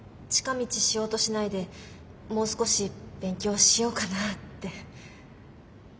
近道しようとしないでもう少し勉強しようかなって。